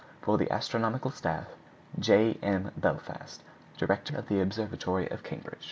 For the Astronomical Staff, J. M. BELFAST, _Director of the Observatory of Cambridge.